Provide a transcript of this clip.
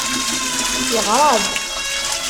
Yeɣra-d.